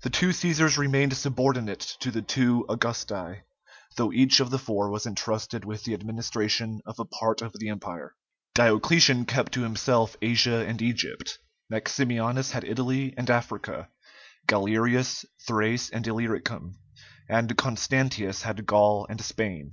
The two Cæsars remained subordinate to the two Augusti, though each of the four was entrusted with the administration of a part of the Empire. Diocletian kept to himself Asia and Egypt; Maximianus had Italy and Africa; Galerius, Thrace and Illyricum; and Constantius had Gaul and Spain.